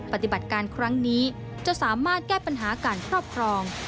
ปฏิบัติการครั้งนี้จะสามารถแก้ปัญหาการครอบครอง